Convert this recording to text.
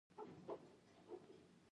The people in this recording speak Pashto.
• د واورې ذرات مختلف شکلونه لري.